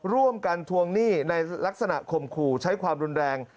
ทวงหนี้ในลักษณะข่มขู่ใช้ความรุนแรง